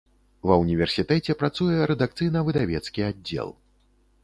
Ва ўніверсітэце працуе рэдакцыйна-выдавецкі аддзел.